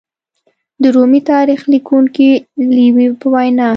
د رومي تاریخ لیکونکي لېوي په وینا